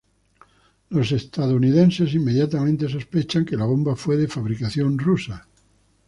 Los estadounidenses inmediatamente sospechan que la bomba fue de fabricación rusa.